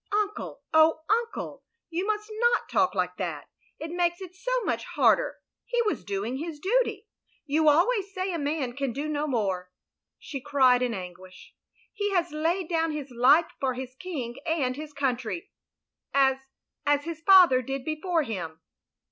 "Uncle, oh Uncle! You must not talk like that. It makes it so much harder. He was doing his duty. You always say a man can do no more," she cried in anguish. "He has laid down his life for his King and country, as — as his father did before him.